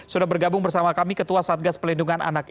sudah bergabung bersama kami ketua satgas pelindungan anak